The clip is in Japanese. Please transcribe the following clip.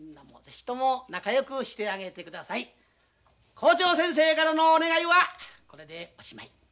校長先生からのお願いはこれでおしまい。